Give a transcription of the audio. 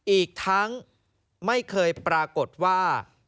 อีกทั้งไม่เคยปรากฏว่า